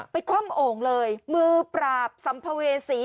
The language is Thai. ไปความโอ่งเลยมือปราบสำภเวสี